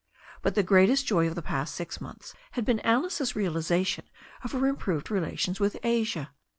But the greatest joy of the past six months had been Alice's realization of her improved relations with Asia.